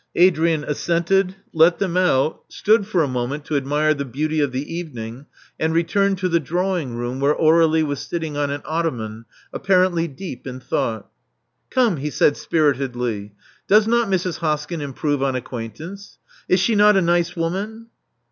Adrian assented; let them out; Love Among the Artists 407 stood for a moment to admire the beauty of the even ing; and returned to the drawing room, where Aur^lie was sitting on an ottoman, apparently deep in thought. *'Come!*' he said spiritedly: ''doesnotMrs. Hoskyn improve on acquaintance? Is she not a nice woman?"